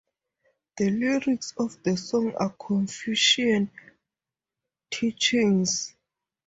The lyrics of the song are Confucian teachings.